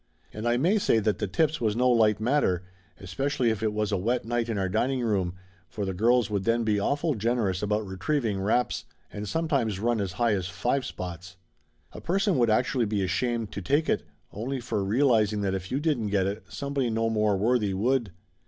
And I may say that the tips was no light matter, especially if it was a wet night in our dining room, for the girls would then be awful gen erous about retrieving wraps, and sometimes run as high as fivespots. A person would actually be ashamed to take it, only for realizing that if you didn't get it somebody no more worthy would.